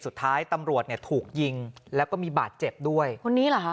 สุดท้ายตำรวจเนี่ยถูกยิงแล้วก็มีบาดเจ็บด้วยคนนี้เหรอคะ